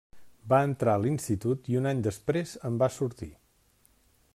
Va entrar a l'Institut i un any després en va sortir.